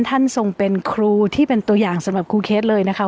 ท่านทรงเป็นครูที่เป็นตัวอย่างสำหรับครูเคสเลยนะคะ